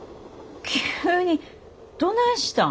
急にどないしたん？